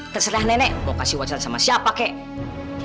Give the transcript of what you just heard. terserah nenek mau kasih whatsap sama siapa kek